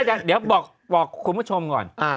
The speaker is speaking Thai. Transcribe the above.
เดี๋ยวบอกคุณผู้ชมก่อน